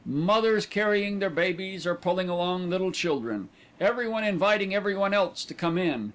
Mothers carrying their babies, or pulling along little children. Everyone inviting everyone else to come in.